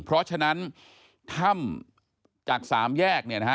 เพราะฉะนั้นถ้ำจากสามแยกเนี่ยนะฮะ